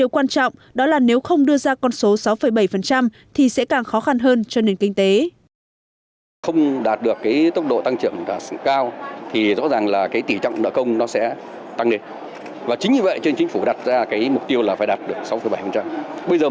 điều quan trọng đó là nếu không đưa ra con số sáu bảy thì sẽ càng khó khăn hơn cho nền kinh tế